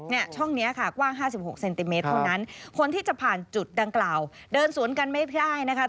เนี่ยช่องนี้ค่ะกว้าง๕๖เซนติเมตรเท่านั้นคนที่จะผ่านจุดดังกล่าวเดินสวนกันไม่ได้นะคะ